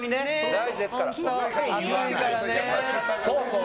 大事ですから。